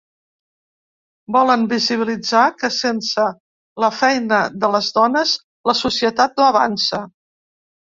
Volem visibilitzar que sense la feina de les dones la societat no avança.